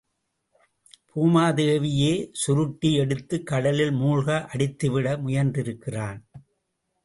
பூமாதேவியையே சுருட்டி எடுத்துக் கடலுள் மூழ்க அடித்து விட முயன்றிருக்கிறான்.